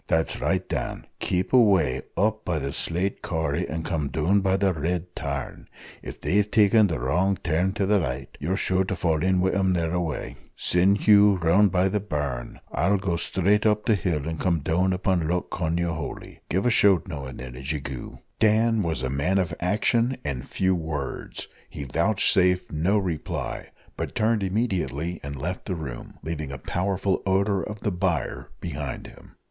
"That's right, Dan keep away up by the slate corrie, and come down by the red tarn. If they've taken the wrong turn to the right, you're sure to fall in wi' them thereaway. Send Hugh round by the burn; I'll go straight up the hill, and come down upon Loch Cognahoighliey. Give a shout now and then, as ye goo." Dan was a man of action and few words: he vouchsafed no reply, but turned immediately and left the room, leaving a powerful odour of the byre behind him.